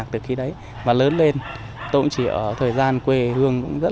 để không bỏ lỡ những video hấp dẫn